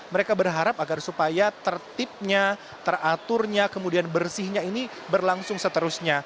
mereka berharap agar supaya tertibnya teraturnya kemudian bersihnya ini berlangsung seterusnya